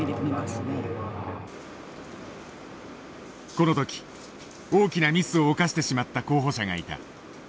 この時大きなミスを犯してしまった候補者がいた。